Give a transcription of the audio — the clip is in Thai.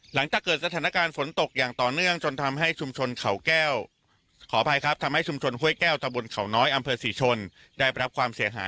หลังจากเกิดสถานการณ์ฝนตกอย่างต่อเนื่องจนทำให้ชุมชนเขาแก้ว